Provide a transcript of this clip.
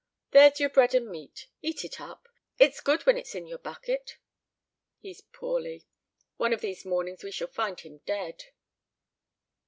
There's your bread and meat; eat it up; it's good when it's in your bucket. He's poorly. One of these mornings we shall find him dead."